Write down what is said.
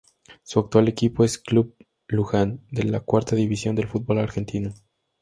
Su actual equipo es Club Luján de la Cuarta División del Fútbol Argentino.